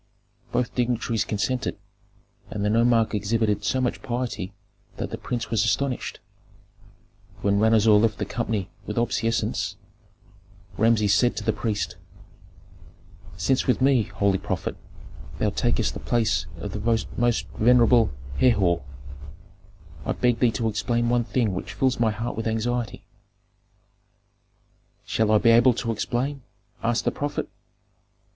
Both dignitaries consented, and the nomarch exhibited so much piety that the prince was astonished. When Ranuzer left the company with obeisances, Rameses said to the priest, "Since with me, holy prophet, thou takest the place of the most venerable Herhor, I beg thee to explain one thing which fills my heart with anxiety " "Shall I be able to explain?" asked the prophet.